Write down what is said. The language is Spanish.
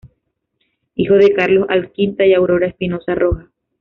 Hijo de Carlos Alquinta y Aurora Espinoza Rojas.